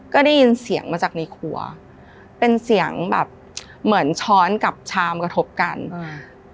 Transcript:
ก็ได้ยินเสียงมาจากในครัวเป็นเสียงแบบเหมือนช้อนกับชามกระทบกันอ่า